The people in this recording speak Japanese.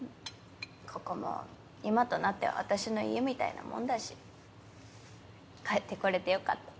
ここも今となっては私の家みたいなもんだし帰って来れてよかった。